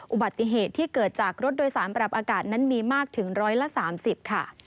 อุบัติเหตุที่เกิดจากรถโดยสารปรับอากาศนั้นมีมากถึง๑๓๐ค่ะ